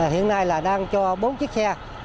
hiện nay là đang cho bốn chiếc xe